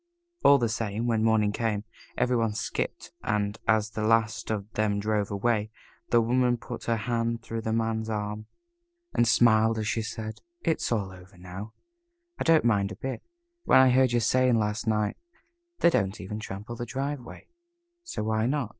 All the same, when morning came, every one skipped, and as the last of them drove away, the Woman put her hand through the Man's arm, and smiled as she said: "It's all over. I don't mind a bit. When I heard you saying last night, 'They don't even trample the driveway, so why not?'